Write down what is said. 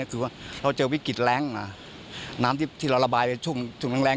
คือว่าเราเจอวิกฤตแรงน้ำที่เราระบายไปช่วงแรง